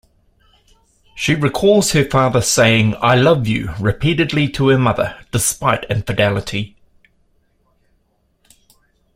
She recalls her father saying "I love you" repeatedly to her mother, despite infidelity.